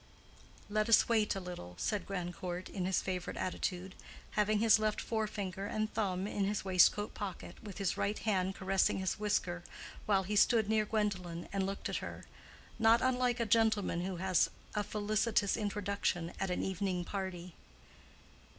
"Let us wait a little," said Grandcourt, in his favorite attitude, having his left forefinger and thumb in his waist coat pocket, and with his right hand caressing his whisker, while he stood near Gwendolen and looked at her—not unlike a gentleman who has a felicitous introduction at an evening party.